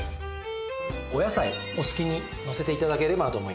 お野菜お好きにのせて頂ければと思います。